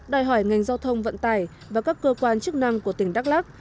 đòi hỏi ngành giao thông vận tải và các cơ quan chức năng của tỉnh đắk lắc